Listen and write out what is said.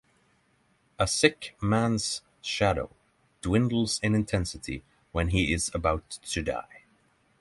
A sick man's shadow dwindles in intensity when he is about to die.